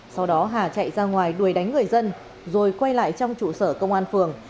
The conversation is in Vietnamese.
sau đó hà chạy ra ngoài đuổi đánh người dân rồi quay lại trong trụ sở công an phường